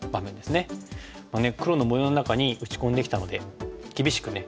黒の模様の中に打ち込んできたので厳しくね